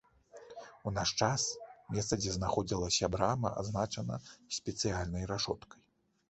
У наш час, месца дзе знаходзілася брама адзначана спецыяльнай рашоткай.